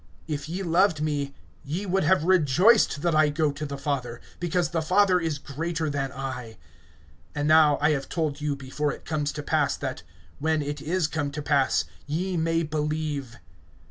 If ye loved me, ye would have rejoiced that I go to the Father; because the Father is greater than I. (29)And now I have told you before it comes to pass, that, when it is come to pass, ye may believe.